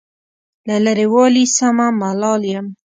له لرې والي سمه ملال یم.